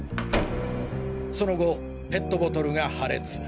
その後ペットボトルが破裂。